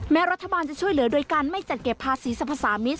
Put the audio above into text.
รัฐบาลจะช่วยเหลือโดยการไม่จัดเก็บภาษีสรรพสามิตร